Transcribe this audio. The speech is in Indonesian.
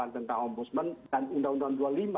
tentang ombudsman dan undang undang dua puluh lima